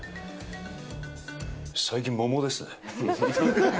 最近、桃ですね。